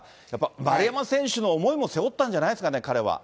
丸山選手の思いも背負ったんじゃないですかね、彼は。